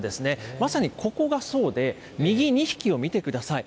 まさにここがそうで、右２匹を見てください。